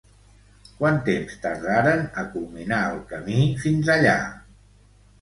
Quant temps tardaren a culminar el camí fins allà?